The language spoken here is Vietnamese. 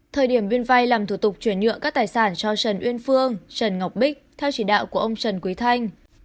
thời điểm bên vay làm thủ tục chuyển nhượng các tài sản cho trần uyên phương trần ngọc bích theo chỉ đạo của ông trần quý thanh